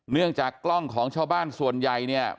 เนื่องจากกล้องของชาวบ้านส่วนใหญ่เนี่ย